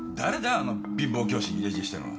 あの貧乏教師に入れ知恵したのは。